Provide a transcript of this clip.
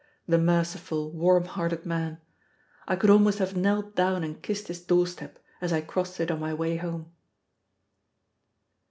The merciful, warm hearted man! I could almost have knelt down and kissed his doorstep, as I crossed it on my way home.